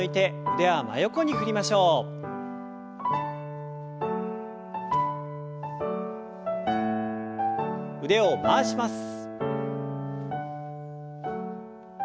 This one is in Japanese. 腕を回します。